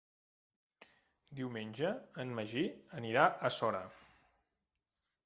Diumenge en Magí anirà a Sora.